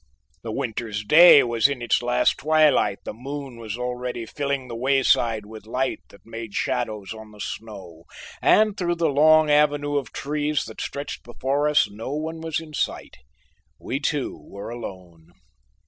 The winter's day was in its last twilight, the moon was already filling the wayside with light that made shadows on the snow, and through the long avenue of trees that stretched before us no one was in sight, we two were alone.